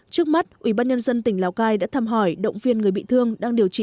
trước mắt ủy ban nhân dân tỉnh lào cai đã thăm hỏi động viên người bị thương đang điều trị